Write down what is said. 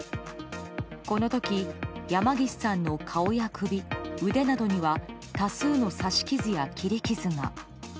この時、山岸さんの顔や首、腕などには多数の刺し傷や切り傷が。